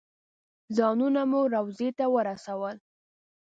ځانونه مو روضې ته ورسول.